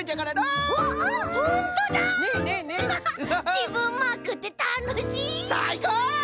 じぶんマークってたのしい！さいこう！